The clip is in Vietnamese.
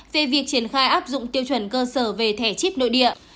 bốn năm tám về việc triển khai áp dụng tiêu chuẩn cơ sở về thẻ chip nội địa